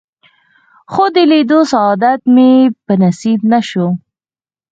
خو د لیدو سعادت مې په نصیب نه شو.